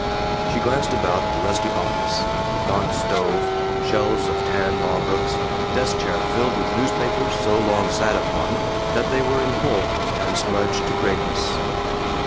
She glanced about the rusty office gaunt stove, shelves of tan law books, desk chair filled with newspapers so long sat upon that they were in holes and smudged to grayness.